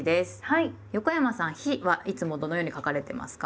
横山さん「日」はいつもどのように書かれてますか？